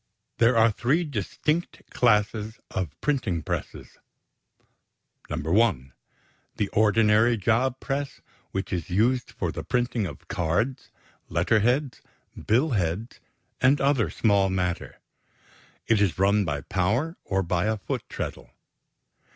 = There are three distinct classes of printing presses: (1) The ordinary job press which is used for the printing of cards, letter heads, billheads, and other small matter. It is run by power or by a foot treadle.